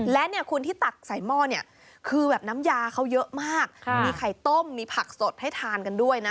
และเนี่ยคุณที่ตักใส่หม้อเนี่ยคือแบบน้ำยาเขาเยอะมากมีไข่ต้มมีผักสดให้ทานกันด้วยนะ